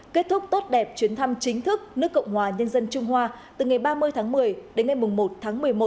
kết thúc tốt đẹp chuyến thăm chính thức nước cộng hòa nhân dân trung hoa từ ngày ba mươi tháng một mươi đến ngày một tháng một mươi một